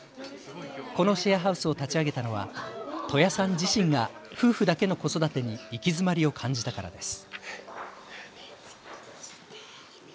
このシェアハウスを立ち上げたのは戸谷さん自身が夫婦だけの子育てに行き詰まりを感じたからです。